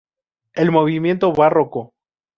El Movimiento Barroco.